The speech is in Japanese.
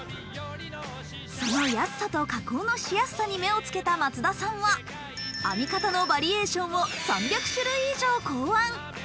その安さと加工のしやすさに目をつけた松田さんは編み方のバリエーションを３００種類以上を考案。